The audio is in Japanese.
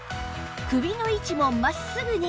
首の位置も真っすぐに！